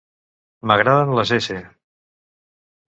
M'agraden les s